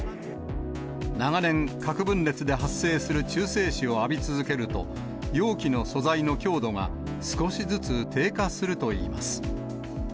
長年、核分裂で発生する中性子を浴び続けると、容器の素材の強度が少しずつ低下するといいます。